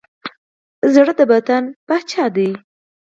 زړه د بدن پاچا دی.